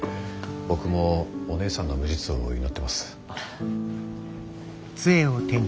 僕もお姉さんの無実を祈ってます。